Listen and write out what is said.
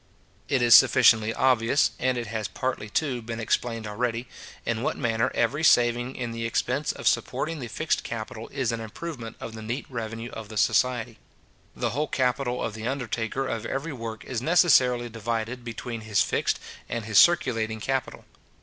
It is sufficiently obvious, and it has partly, too, been explained already, in what manner every saving in the expense of supporting the fixed capital is an improvement of the neat revenue of the society. The whole capital of the undertaker of every work is necessarily divided between his fixed and his circulating capital.